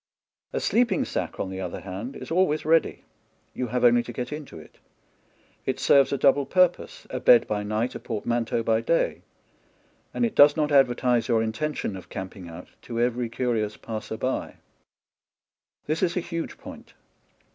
A sleeping sack, on the other hand, is always ready — ^you have only to get into it ; it serves a double purpose — a bed by night, a port manteau by day ; and it does not advertise your intention of camping out to every curious passer by. This is a huge point.